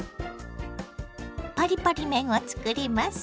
パリパリ麺をつくります。